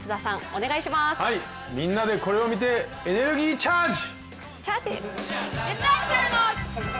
みんなでこれを見てエネルギーチャージ！